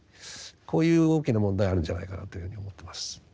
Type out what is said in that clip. こういう大きな問題があるんじゃないかなというふうに思ってます。